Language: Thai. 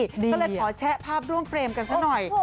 ก็เลยขอแชะภาพร่วมเฟรมกันซะหน่อย